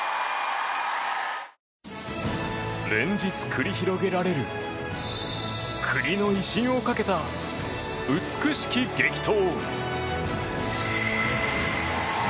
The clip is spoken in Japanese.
連日繰り広げられる国の威信をかけた美しき激闘。